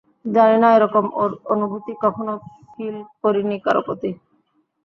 জানি না, এরকম অনুভূতি কখনও ফিল করিনি কারো প্রতি!